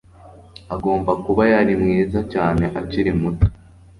Agomba kuba yari mwiza cyane akiri muto